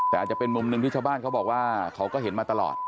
แต่อาจจะเป็นมุมหนึ่งที่ชาวบ้านเขาบอกว่าเขาก็เห็นมาตลอด